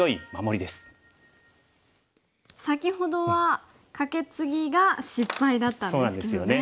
先ほどはカケツギが失敗だったんですよね。